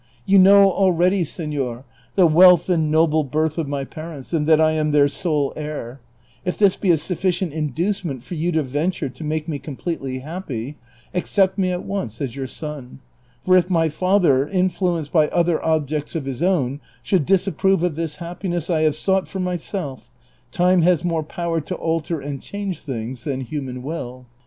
You know already, senor, the wealth and noble birth of my parents, and that I am their sole heir ; if this be a sufficient inducement for you to venture to make me completely hajipy, accept me at once as your son ; for if my father, influenced by other objects of his own, should disap})rove of this ha})piness I have sought for myself, time has more power to alter and change things, than human will."